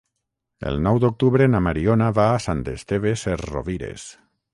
El nou d'octubre na Mariona va a Sant Esteve Sesrovires.